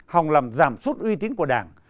hòng làm giảm suốt uy tín của đảng